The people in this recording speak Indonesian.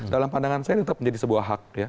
dalam pandangan saya ini tetap menjadi sebuah hak ya